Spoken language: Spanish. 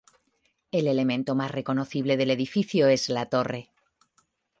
El elemento más reconocible del edificio es la torre.